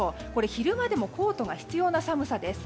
昼間でもコートが必要な寒さです。